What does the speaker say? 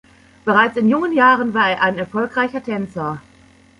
Bereits in jungen Jahren war er ein erfolgreicher Tänzer.